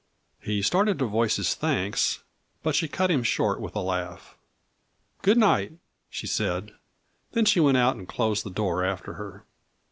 He started to voice his thanks, but she cut him short with a laugh. "Good night," she said. Then she went out and closed the door after her.